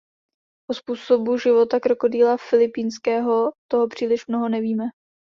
O způsobu života krokodýla filipínského toho příliš mnoho nevíme.